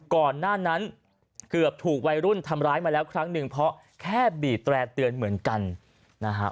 ก่อนหน้านั้นเกือบถูกวัยรุ่นทำร้ายมาแล้วครั้งหนึ่งเพราะแค่บีบแตร่เตือนเหมือนกันนะฮะ